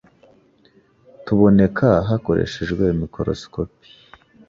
tuboneka hakoreshejwe mikorosikopi